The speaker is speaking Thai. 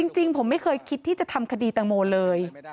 จริงผมไม่เคยคิดที่จะทำคดีตังโมเลย